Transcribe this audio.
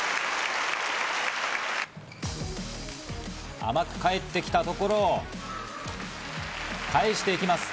甘く返ってきたところを返してきます。